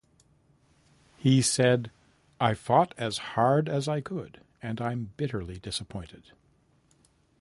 He said: I fought as hard as I could and I'm bitterly disappointed.